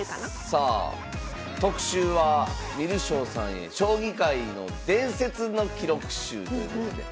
さあ特集は「観る将さんへ『将棋界の伝説の記録集』」ということで。